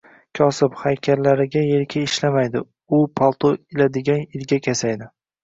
Kosib! Haykallarida yelka ishlamaydi u, palto iladigan ilgak yasaydi.